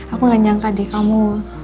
aku gak nyangka adik kamu